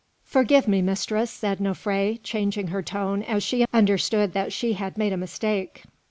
"Forgive me, mistress," said Nofré, changing her tone as she understood that she had made a mistake.